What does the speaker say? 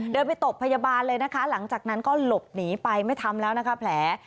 เดินไปตบพยาบาลเลยนะคะหลังจากนั้นก็หลบหนีไปไม่ทำแล้วนะคะแผล